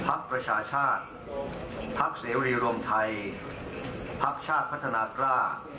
ภักดิ์ประชาชาติภักดิ์เสียวรีรวมไทยภักดิ์ชาติพัฒนากล้า